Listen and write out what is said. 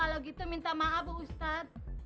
kalau gitu minta maaf ustadz